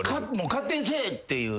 「勝手にせえ！」っていうね。